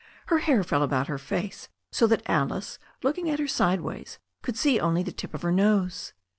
Her hair fell about her face so that Alice, looking at her sideways, could see only the tip of her nose.